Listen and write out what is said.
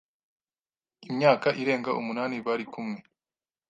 imyaka irenga umunani bari kumwe